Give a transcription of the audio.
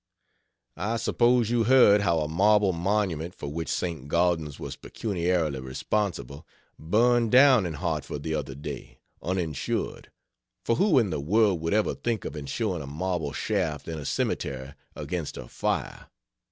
I suppose you heard how a marble monument for which St. Gaudens was pecuniarily responsible, burned down in Hartford the other day, uninsured for who in the world would ever think of insuring a marble shaft in a cemetery against a fire?